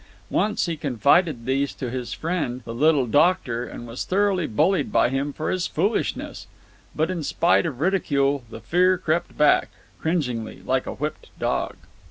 Once he confided these to his friend, the little doctor, and was thoroughly bullied by him for his foolishness. But in spite of ridicule the fear crept back, cringingly, like a whipped dog.